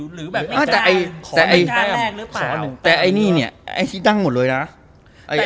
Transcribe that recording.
หรือไม่ไข้